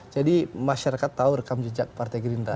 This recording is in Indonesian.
jadi masyarakat tahu rekam jejak partai greendraft